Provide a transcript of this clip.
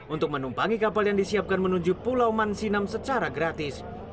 untuk menumpangi kapal yang disiapkan menuju pulau mansinam secara gratis